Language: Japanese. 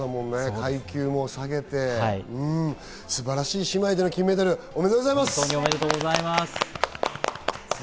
階級も下げて、素晴らしい姉妹での金メダル、おめでとうございます。